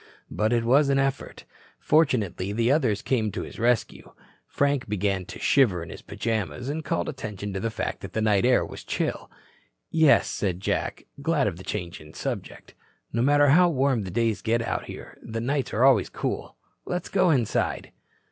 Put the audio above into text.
But it was an effort. Fortunately the others came to his rescue. Frank began to shiver in his pajamas and called attention to the fact that the night air was chill. "Yes," said Jack, glad of the change in subject, "no matter how warm the days out here, the nights are always cool. Let's go inside."